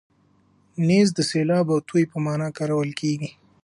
نیز د سیلاب او توی په مانا کارول کېږي.